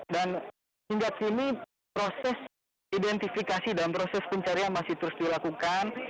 dan hingga kini proses identifikasi dan proses pencarian masih terus dilakukan